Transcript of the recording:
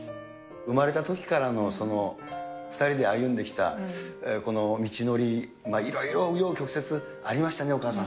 生まれたときからの、その２人で歩んできた、この道のり、いろいろう余曲折ありましたね、お母さん。